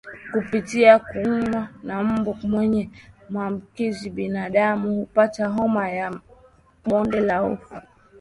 Kupitia kuumwa na mbu mwenye maambukizi binadamu hupata homa ya bonde la ufa